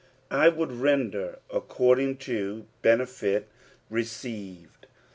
I would render according to the benefit received.